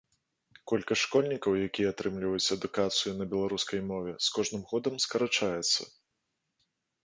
Колькасць школьнікаў, якія атрымліваюць адукацыю на беларускай мове, з кожным годам скарачаецца.